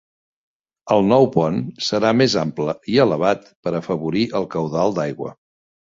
El nou pont serà més ample i elevat per afavorir el caudal d"aigua.